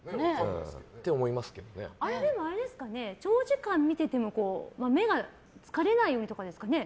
長時間、見ていても目が疲れないようにとかですかね。